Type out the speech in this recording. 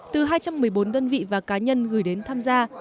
từ hai trăm một mươi bốn đơn vị và cá nhân gửi đến tham gia